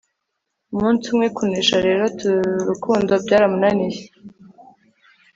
umunsi umwe, kunesha rero urukundo byaramunaniye